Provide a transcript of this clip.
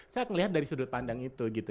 saya melihat dari sudut pandang itu gitu